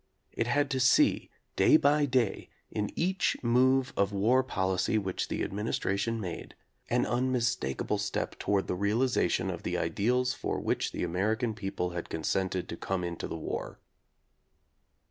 It had to see day by day, in each move of war policy which the Administration made, an unmistakable step toward the realization of the ideals for which the American people had con sented to come into the war.